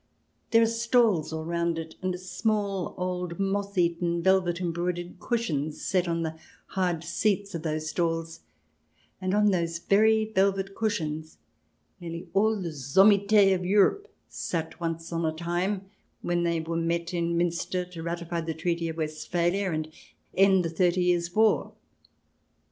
There are stalls all round it and small, old, moth eaten, velvet embroidered cushions set on the hard seats of those stalls, and on those very velvet cushions nearly all the sommites of Europe sat once on a time when they were met in Miinster to ratify the Treaty of West phalia and end the Thirty Years' War.